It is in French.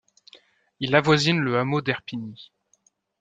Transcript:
Il avoisine le hameau d'Erpigny.